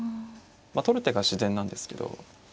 まあ取る手が自然なんですけど。